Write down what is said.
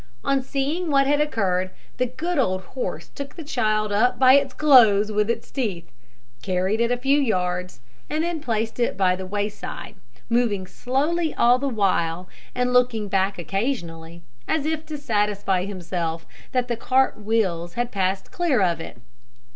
On seeing what had occurred, the good old horse took the child up by its clothes with his teeth, carried it a few yards, and then placed it by the wayside, moving slowly all the while, and looking back occasionally, as if to satisfy himself that the cart wheels had passed clear of it.